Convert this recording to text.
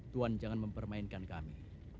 tuan jangan mempermainkan kami